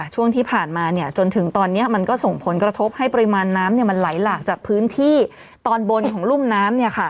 ช่วงที่ผ่านมาจนถึงตอนนี้มันก็ส่งผลกระทบให้ปริมาณน้ำมันไหลหลากจากพื้นที่ตอนบนของรุ่มน้ำ